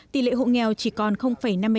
tỷ lệ hộ nghèo chỉ còn năm mươi tám